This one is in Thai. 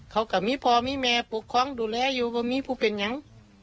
เขาก็มีพ่อมีแม่ปลูกคล้องดูแลอยู่พูดเป็นยัง